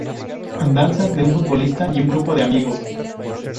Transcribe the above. Andanzas de un futbolista y un grupo de amigos.